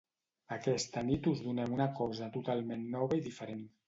Aquesta nit us donem un cosa totalment nova i diferent.